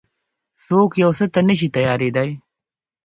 څوک يو څه ته نه شي تيارېدای.